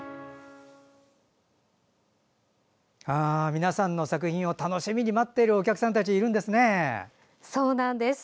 皆さんの作品を楽しみに待っているお客さんたちがいるんですね。